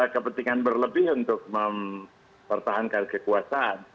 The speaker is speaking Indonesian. kepentingan berlebih untuk mempertahankan kekuasaan